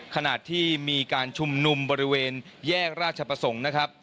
ขนาดที่มีการชุมนุมบริเวณแยกราชประสงค์